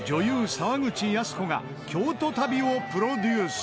沢口靖子が京都旅をプロデュース